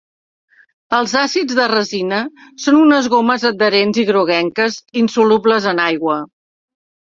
Els àcids de resina són unes gomes adherents i groguenques, insolubles en aigua.